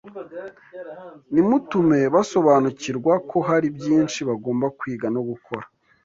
Nimutume basobanukirwa ko hari byinshi bagomba kwiga no gukora